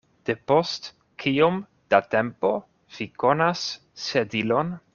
Depost kiom da tempo vi konas Sedilon?